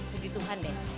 puji tuhan deh